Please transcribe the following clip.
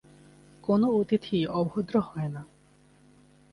কোন অতিথিই অভদ্র হয় না।